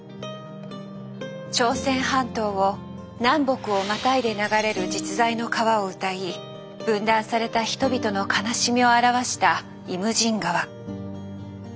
朝鮮半島を南北をまたいで流れる実在の川を歌い分断された人々の悲しみを表した「イムジン河」。